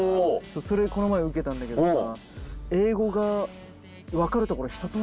それこの前受けたんだけどさ。